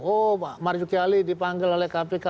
oh pak marus giyali dipanggil oleh kpk